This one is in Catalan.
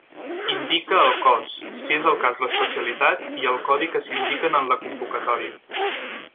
Indique el Cos, si és el cas l'Especialitat, i el Codi que s'indiquen en la convocatòria.